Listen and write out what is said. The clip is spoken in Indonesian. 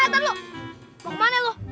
kamu kemana lu